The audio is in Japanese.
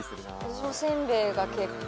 私もせんべいが結構。